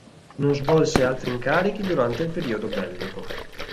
Non svolse altri incarichi durante il periodo bellico.